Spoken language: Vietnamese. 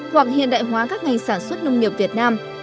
hoặc hiện đại hóa các ngành sản xuất nông nghiệp việt nam